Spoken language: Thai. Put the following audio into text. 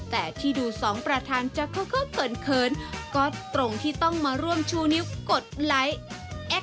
แต่ที่ดูสองประธานจะเขินก็ตรงที่ต้องมาร่วมชูนิ้วกดไลค์